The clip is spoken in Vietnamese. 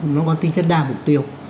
nó có tính chất đa mục tiêu